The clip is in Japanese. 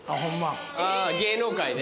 あ芸能界で？